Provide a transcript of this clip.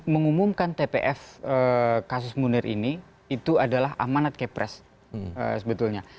mengumumkan tpf kasus munir ini itu adalah amanat kepres sebetulnya